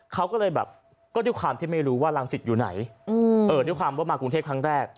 เขาก็เลยแบบก็ด้วยความที่ไม่รู้ว่ารังสิตอยู่ไหนด้วยความว่ามากรุงเทพครั้งแรก